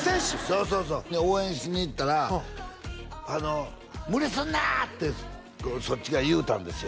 そうそうそう応援しに行ったら「無理すんな！」ってそっちが言うたんですよ